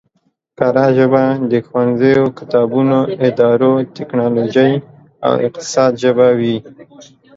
کره ژبه د ښوونځیو، کتابونو، ادارو، ټکنولوژۍ او اقتصاد ژبه وي